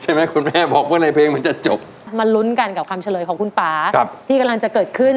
น้องฟาดินร้องได้หรือว่าร้องผิดครับ